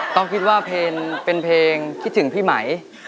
ต้องคิดว่าเพลงเป็นเพลงคิดถึงพี่ไหม